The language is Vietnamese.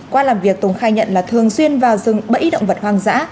qua làm việc tùng khai nhận là thường xuyên vào rừng bẫy động vật hoang dã